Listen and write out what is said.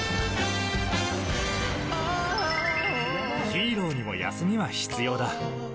ヒーローにも休みは必要だ。